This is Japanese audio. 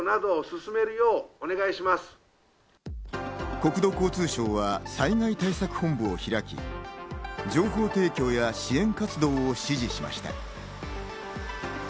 国土交通省は災害対策本部を開き、情報提供や支援活動を指示しました。